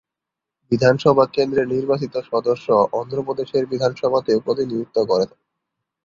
বিধানসভা কেন্দ্রের নির্বাচিত সদস্য অন্ধ্রপ্রদেশের বিধানসভাতে প্রতিনিধিত্ব করে।